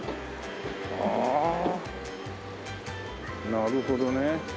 ああなるほどね。